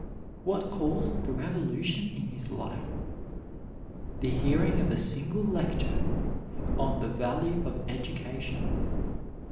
What caused the revolution in his life? The hearing of a single lecture on the value of education.